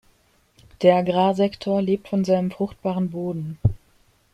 Der Agrarsektor lebt von seinem fruchtbaren Boden.